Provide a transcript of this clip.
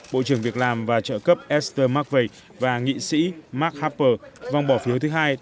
bộ trưởng việc làm và chợ cấp esther mcveigh và nghị sĩ mark harper vòng bỏ phiếu thứ hai